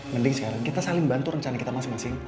mending sekarang kita saling bantu rencana kita masing masing